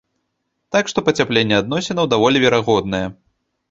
Так што пацяпленне адносінаў даволі верагоднае.